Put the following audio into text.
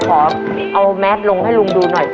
ขอเอาแมสลงให้ลุงดูหน่อย